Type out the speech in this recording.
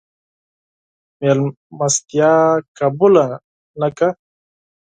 مېلمستیا قبوله نه کړه.